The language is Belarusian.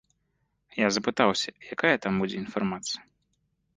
Я запытаўся, якая там будзе інфармацыя.